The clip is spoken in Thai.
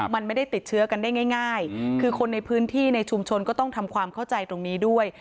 มันไม่ได้ติดเชื้อกันได้ง่ายคือคนในพื้นที่ในชุมชนก็ต้องทำความเข้าใจตรงนี้ด้วย